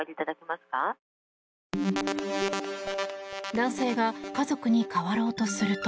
男性が家族に代わろうとすると。